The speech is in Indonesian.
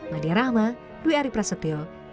nadia rahma dwi ari prasetyo